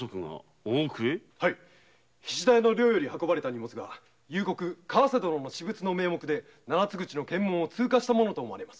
菱田屋の寮より運ばれた荷物が川瀬殿の私物の名目で検問を通過したものと思われます。